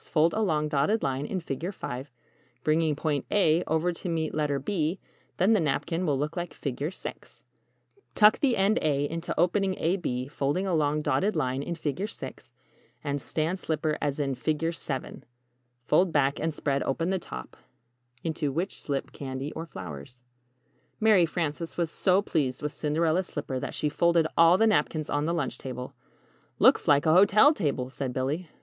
Fold along dotted line in =Figure V=, bringing point "a" over to meet letter "b". Then the napkin will look like =Figure VI= 7. Tuck the end =A= into opening A B, folding along dotted line in =Figure VI=, and stand slipper as in =Figure VII=. Fold back and spread open the top, into which slip candy or flowers] Mary Frances was so pleased with the Cinderella's slipper that she folded all the napkins on the lunch table. "Looks like a hotel table," said Billy.